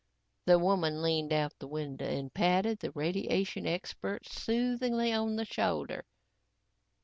The woman leaned out the window and patted the radiation expert soothingly on the shoulder.